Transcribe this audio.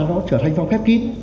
nó trở thành vòng khép kín